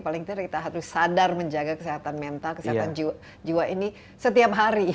paling tidak kita harus sadar menjaga kesehatan mental kesehatan jiwa ini setiap hari